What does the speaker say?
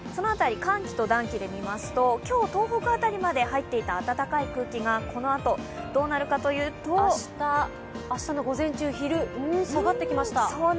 寒気と暖気で見ますと、今日、東北辺りまで入っていた暖かい空気がこのあとどうなるかというと明日の午前中、昼、下がってきました。